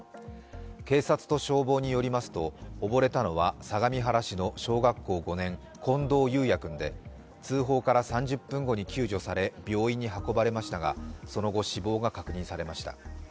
警察と消防によりますと、溺れたのは相模原市の小学校５年近藤勇也君で通報から３０分後に救助され病院に運ばれましたがその後、死亡が確認されました。